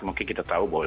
mungkin kita tahu bahwa